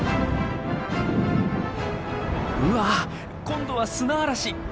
うわっ今度は砂嵐。